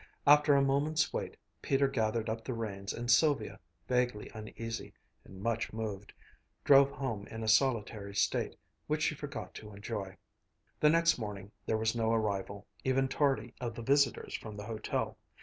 After a moment's wait, Peter gathered up the reins and Sylvia, vaguely uneasy, and much moved, drove home in a solitary state, which she forgot to enjoy. The next morning there was no arrival, even tardy, of the visitors from the hotel.